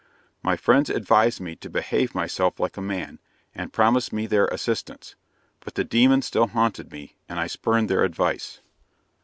My friends advised me to behave myself like a man, and promised me their assistance, but the demon still haunted me, and I spurned their advice."